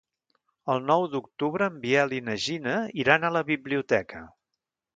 El nou d'octubre en Biel i na Gina iran a la biblioteca.